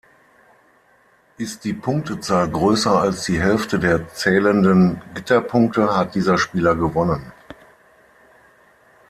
Ist die Punktezahl größer als die Hälfte der zählenden Gitterpunkte, hat dieser Spieler gewonnen.